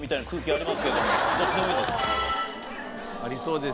ありそうです。